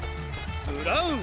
ブラウン！